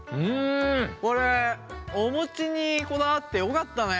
これお餅にこだわってよかったね。